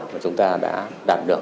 mà chúng ta đã đạt được